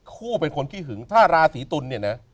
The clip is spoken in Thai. เป็นคนขี้หึงถ้าราศีตุลเนี่ยนะ